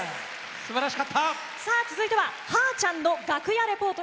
続いては「はーちゃんの楽屋リポート」。